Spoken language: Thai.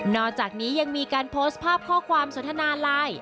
อกจากนี้ยังมีการโพสต์ภาพข้อความสนทนาไลน์